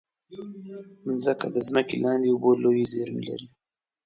مځکه د ځمکې لاندې اوبو لویې زېرمې لري.